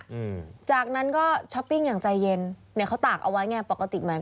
อืมจากนั้นก็ช้อปปิ้งอย่างใจเย็นเนี้ยเขาตากเอาไว้ไงปกติไหม